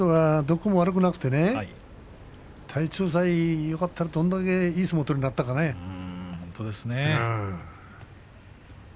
この人がどこも悪くなくてね、体調さえよかったらどれだけいい相撲取りに本当にそうですね。